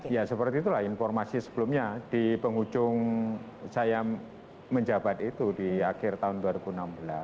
ya seperti itulah informasi sebelumnya di penghujung saya menjabat itu di akhir tahun dua ribu enam belas